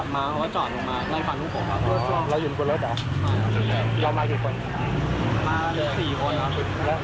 ไม่ล้วนลดลีละ